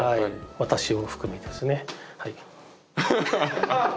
私を含めですね。